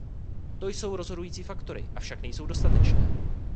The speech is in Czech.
To jsou rozhodující faktory, avšak nejsou dostatečné.